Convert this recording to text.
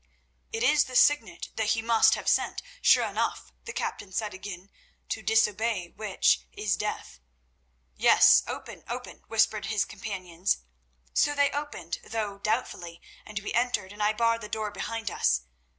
"'It is the Signet that he must have sent, sure enough,' the captain said again, 'to disobey which is death.' "'Yes, open, open,' whispered his companions. "So they opened, though doubtfully, and we entered, and I barred the door behind us.